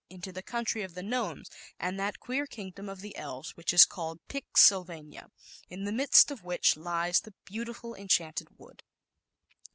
45 into the country of the Gnomes, and that queer kingdom of the Elves, which is called Pix Sylvania, in the midst of which lies the beautiful Enchanted Wood.